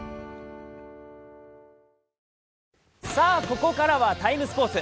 ここからは「ＴＩＭＥ，スポーツ」。